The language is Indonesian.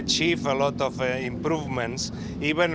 bisa mencapai banyak peningkatan